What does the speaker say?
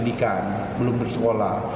jadi kita masih belum bersekolah